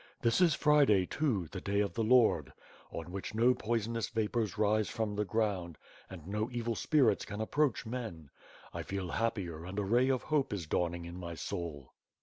This is Fri ^64 WITH FIRE AND SWORD. day, too, the day of the Lord, on which no poisonous vapors rise from the ground, and no evil spirits can approach men. I feel happier and a ray of hope is dawning in my soul."